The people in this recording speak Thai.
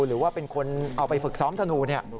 หรือว่าเป็นคนเอาไปฝึกซ้อมธนู